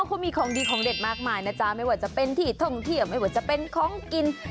เขามีของดีของเด็ดมากมายนะจ๊ะไม่ว่าจะเป็นที่ท่องเที่ยวไม่ว่าจะเป็นของกิน